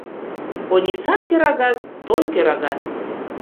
Онисан кӧрагат — той кӧрагат